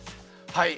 はい。